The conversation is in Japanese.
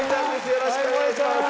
よろしくお願いします。